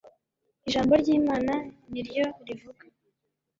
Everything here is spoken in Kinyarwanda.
ijambo ryimana niryo rivuga